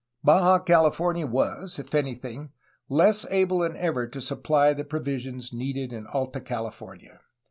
Baja California was, if anything, less able than ever to supply the provisions needed in Alta California.